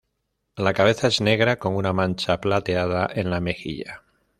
La cabeza es negra, con una mancha plateada en la mejilla.